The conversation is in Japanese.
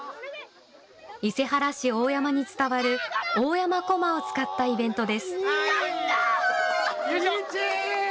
伊勢原市大山に伝わる大山こまを使ったイベントです。